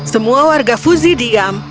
semua warga fuzi diam